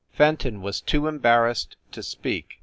Fenton was too embarrassed to speak.